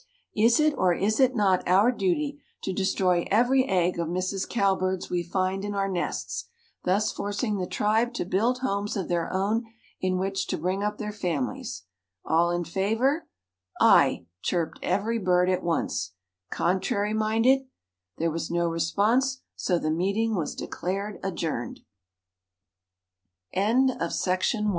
"Is it or is it not our duty to destroy every egg of Mrs. Cowbird's we find in our nests, thus forcing the tribe to build homes of their own in which to bring up their families? All in favor " "Ay," chirruped every bird at once. "Contrary minded?" There was no response, so the meeting was declared adjourned. [Illustration: FROM MAYFLOWER, BY PER. NARCISSUS. CHICAGO: A.